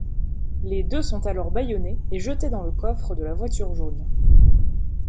Les deux sont alors bâillonnés et jetés dans le coffre de la voiture jaune.